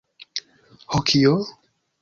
Ho kio?